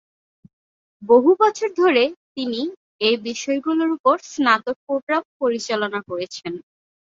বহু বছর ধরে তিনি এ-বিষয়গুলোর উপর স্নাতক প্রোগ্রাম পরিচালনা করেছেন।